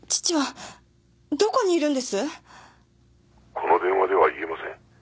☎この電話では言えません。